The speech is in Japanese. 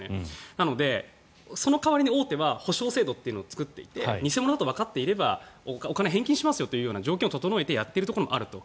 なので、その代わりに大手は補償制度を作っていて偽物だとわかっていればお金を返金しますというような状況を整えてやっているところもあると。